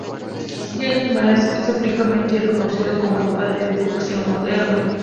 Jem Mace es ampliamente reconocido como el "Padre de Boxeo Moderno".